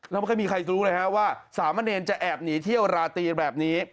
แล้วก็ไม่มีใครทราบว่าสามเณรจะแอบหนีเที่ยวราตรีแบบนี้